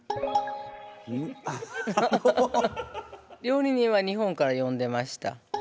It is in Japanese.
料理人は日本から呼んでました。